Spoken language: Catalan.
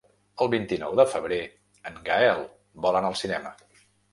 El vint-i-nou de febrer en Gaël vol anar al cinema.